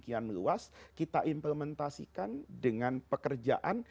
demikian luas kita implementasikan dengan pekerjaan